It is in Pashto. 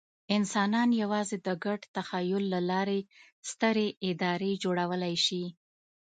انسانان یواځې د ګډ تخیل له لارې سترې ادارې جوړولی شي.